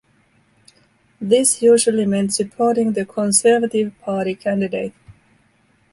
This usually meant supporting the Conservative Party candidate.